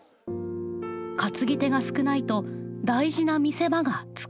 担ぎ手が少ないと大事な見せ場が作れません。